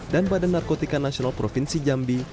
dan badan narkotika nasional provinsi jambi